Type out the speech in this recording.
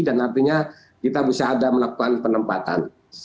dan nantinya kita bisa ada melakukan penempatan